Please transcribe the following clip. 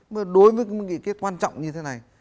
đối với một nghị quyết quan trọng như thế này